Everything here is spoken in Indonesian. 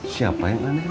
siapa yang marah